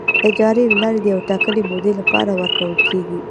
اجارې له لارې د یوې ټاکلې مودې لپاره ورکول کیږي.